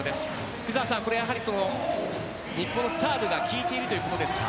福澤さん、日本サーブが効いているということですか？